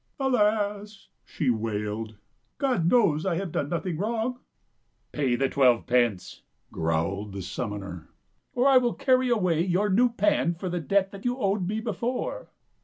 "Alas," she wailed, "God knows I have done no thing wrong." " Pay the twelve pence," growled the summoner, " or I will carry away your new pan for the debt that you owed me before."